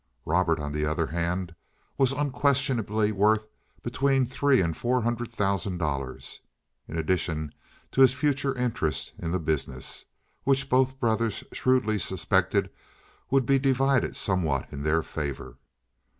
Robert, on the other hand, was unquestionably worth between three and four hundred thousand dollars, in addition to his future interest in the business, which both brothers shrewdly suspected would be divided somewhat in their favor.